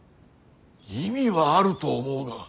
意味はあると思うが。